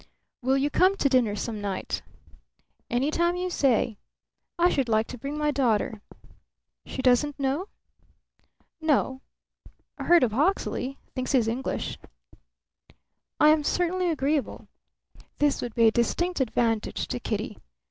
"Will you come to dinner some night?" "Any time you say. I should like to bring my daughter." "She doesn't know?" "No. Heard of Hawksley; thinks he's English." "I am certainly agreeable." This would be a distinct advantage to Kitty.